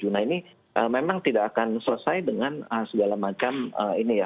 nah ini memang tidak akan selesai dengan segala macam ini ya